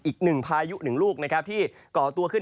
อีก๑พายุ๑ลูกที่ก่อตัวขึ้น